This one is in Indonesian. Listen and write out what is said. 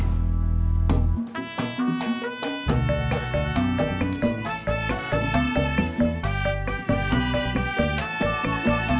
kalau daya mau ambil aja